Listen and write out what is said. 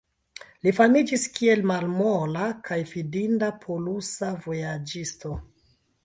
Li famiĝis kiel malmola kaj fidinda polusa vojaĝisto.